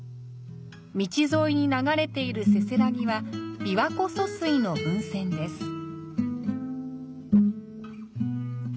道沿いに流れているせせらぎは琵琶湖疎水の分線です。